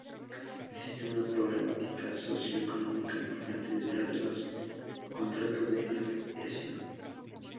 Existe una problemática socio-económica importante detrás de los contratos de adhesión.